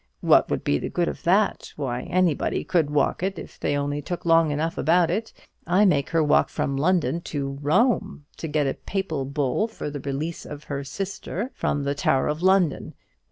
What would be the good of that? why, anybody could walk it if they only took long enough about it. I make her walk from London to ROME, to get a Papal Bull for the release of her sister from the Tower of London.